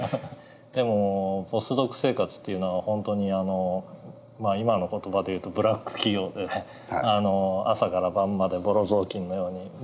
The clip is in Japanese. でもポスドク生活っていうのは本当にあの今の言葉で言うとブラック企業でね朝から晩までぼろ雑巾のように。